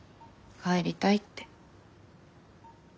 「帰りたい」って。